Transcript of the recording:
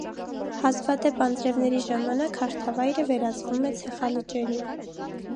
Հազվադեպ անձրևների ժամանակ հարթավայրը վերածվում է ցեխալճերի։